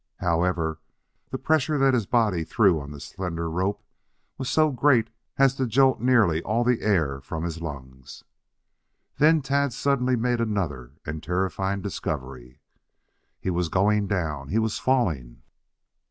However, the pressure that his body threw on the slender rope was so great as to jolt nearly all the air from his lungs. Then Tad suddenly made another and terrifying discovery. He was going down. He was falling.